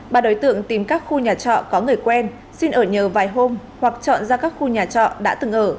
ba đối tượng tìm các khu nhà trọ có người quen xin ở nhờ vài hôm hoặc chọn ra các khu nhà trọ đã từng ở